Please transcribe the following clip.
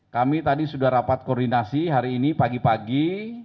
kami tadi sudah rapat koordinasi hari ini pagi pagi